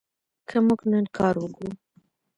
که موږ نن کار وکړو.